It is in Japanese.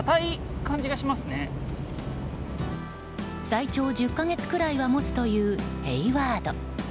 最長１０か月くらいはもつというヘイワード。